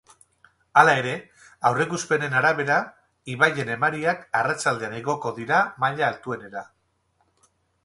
Hala ere, aurreikuspenen arabera, ibaien emariak arratsaldean igoko dira maila altuenera.